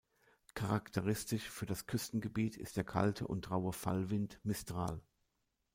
Charakteristisch für das Küstengebiet ist der kalte und raue Fallwind Mistral.